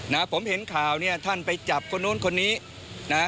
นะผมเห็นข่าวเนี่ยท่านไปจับคนนู้นคนนี้นะฮะ